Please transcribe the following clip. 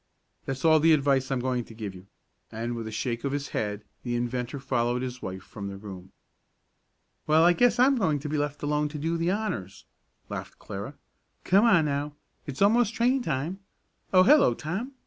That's all the advice I'm going to give you," and with a shake of his hand the inventor followed his wife from the room. "Well, I guess I'm going to be left alone to do the honors," laughed Clara. "Come on now, it's almost train time. Oh, hello, Tom!"